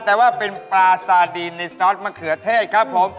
แต่ว่าเป็นปลาซาดีนในซอสมะเขือเทศครับผม